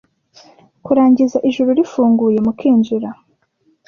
kurangiza ijuru rifunguye mukinjira